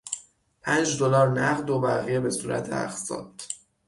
پنج دلار نقد و بقیه به صورت اقساط